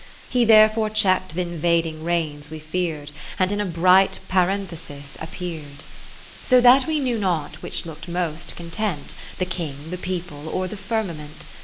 He therefore check'd th' invading rains we fear'd. And in a bright Parenthesis ap pear'd. So that we knew not which look'd most content. The King, the people, or the firma ment.